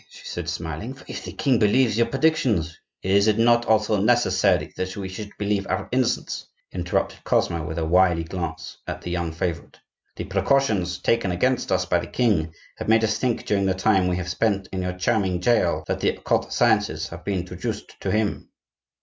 she said smiling; "for if the king believes your predictions—" "Is it not also necessary that he should believe our innocence?" interrupted Cosmo, with a wily glance at the young favorite. "The precautions taken against us by the king have made us think during the time we have spent in your charming jail that the occult sciences have been traduced to him."